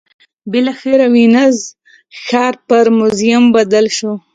بالاخره وینز ښار پر موزیم بدل شو